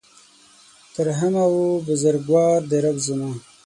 تر همه ؤ بزرګوار دی رب زما